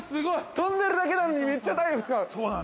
跳んでるだけなのに、めっちゃ体力使う。